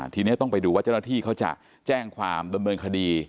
ทีนี้ต้องไปดูว่าเจ้าหน้าที่เขาจะแจ้งความดำเนินคดี